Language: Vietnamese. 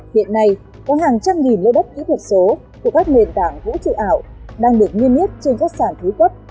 hiện nay có hàng trăm nghìn lô đất kỹ thuật số của các nền tảng vũ trụ ảo đang được nghiêm nhiếp trên các sản thú quốc